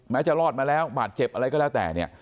แม้จะรอดมาแล้วบาดเจ็บอะไรก็แล้วแต่